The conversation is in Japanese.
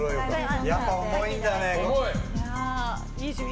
やっぱ重いんだね。